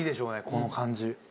この感じ。